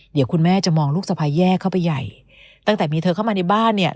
เดี๋ยวคุณแม่จะมองลูกสะพายแยกเข้าไปใหญ่ตั้งแต่มีเธอเข้ามาในบ้านเนี่ย